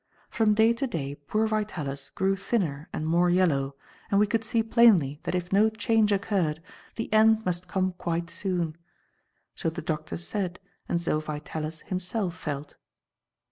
From day to day poor Vitalis grew thinner and more yellow, and we could see plainly that if no change occurred, the end must come quite soon. So the doctors said and so Vitalis himself felt.